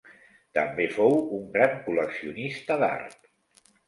També fou un gran col·leccionista d'art.